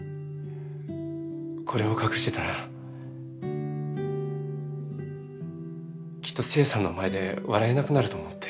これを隠してたらきっと聖さんの前で笑えなくなると思って。